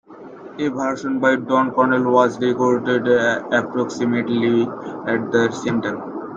A version by Don Cornell was recorded approximately at the same time.